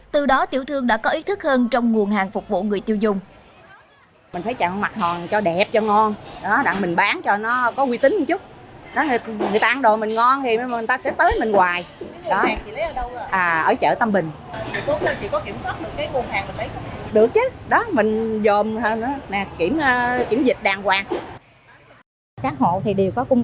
từ đó tiểu thương đã có ý thức hơn trong nguồn hàng phục vụ người tiêu dùng